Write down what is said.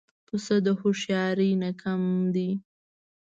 پسه د هوښیارۍ نه کم دی.